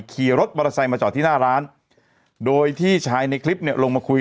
ขี่รถมอเตอร์ไซค์มาจอดที่หน้าร้านโดยที่ชายในคลิปเนี่ยลงมาคุย